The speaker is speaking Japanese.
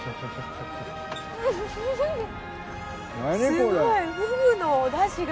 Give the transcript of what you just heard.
すごい！